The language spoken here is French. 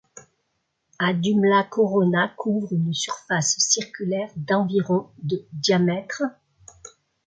Audhumla Corona couvre une surface circulaire d'environ de diamètre.